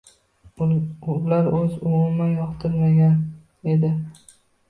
Ular o‘zi umuman yoqtirmagan edi.